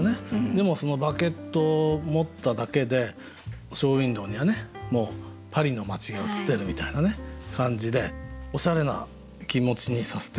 でもそのバゲットを持っただけでショーウィンドーにはねもうパリの街が映ってるみたいな感じでおしゃれな気持ちにさせてくれるっていうね